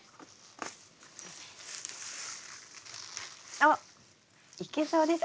おっいけそうです。